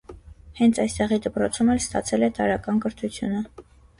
Հենց այստեղի դպրոցում էլ ստացել է տարրական կրթությունը։